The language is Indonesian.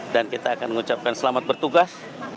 dan kita akan mengucapkan selamat bertugas